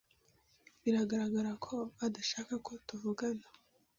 Biragaragara ko adashaka ko tuvugana.